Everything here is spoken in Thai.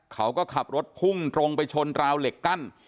เขาก็ขับรถพุ่งตรงไปชนราวเหล็กกั้น